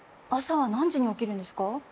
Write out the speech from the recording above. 朝は何時に起きるんですか？